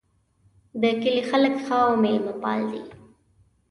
د کلي خلک ښه او میلمه پال دي